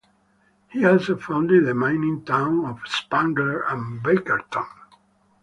He also founded the mining towns of Spangler and Bakerton.